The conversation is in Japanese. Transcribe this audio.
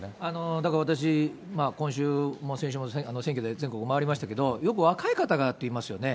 だから私、今週も先週も選挙で全国回りましたけど、よく若い方がっていいますよね。